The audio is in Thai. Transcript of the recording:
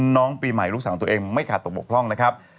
น้องปีใหม่ลูกสาวตัวเองไม่ขาดตกบกพร่องนะครับ